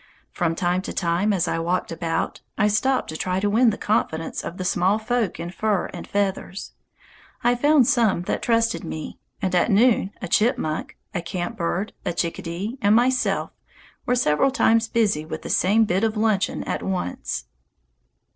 From time to time, as I walked about, I stopped to try to win the confidence of the small folk in fur and feathers. I found some that trusted me, and at noon a chipmunk, a camp bird, a chickadee, and myself were several times busy with the same bit of luncheon at once.